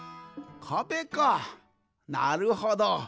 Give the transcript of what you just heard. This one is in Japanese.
かべかなるほど。